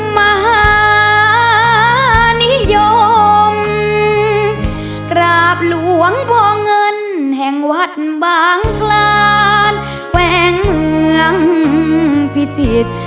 มหานิยมกราบหลวงพ่อเงินแห่งวัดบางคลานแวงเมืองพิจิตร